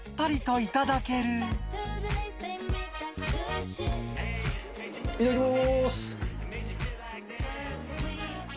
いただきます。